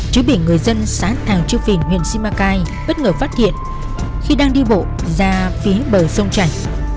chứ bị người dân xã thàng trương phiền huyện simacai bất ngờ phát hiện khi đang đi bộ ra phía bờ sông trạnh